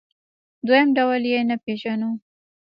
دویم ډول یې نه پېژني.